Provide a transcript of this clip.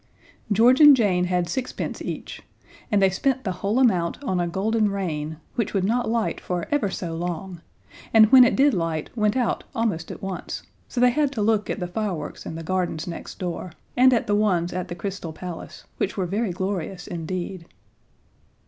George and Jane had sixpence each and they spent the whole amount on a golden rain, which would not light for ever so long, and when it did light went out almost at once, so they had to look at the fireworks in the gardens next door, and at the ones at the Crystal Palace, which were very glorious indeed.